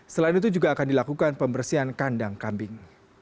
selain itu juga akan dilakukan pembersihan kandang kambing